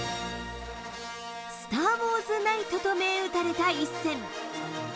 スター・ウォーズ・ナイトと銘打たれた一戦。